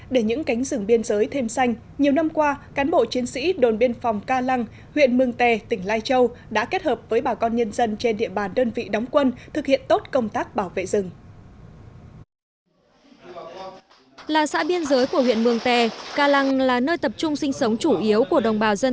để những cánh rừng biên giới thêm xanh nhiều năm qua cán bộ chiến sĩ đồn biên phòng ca lăng huyện mương tè tỉnh lai châu đã kết hợp với bà con nhân dân trên địa bàn đơn vị đóng quân thực hiện tốt công tác bảo vệ rừng